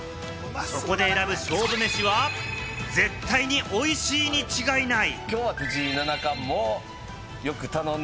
そこで選ぶ勝負メシは絶対においしいに違いない！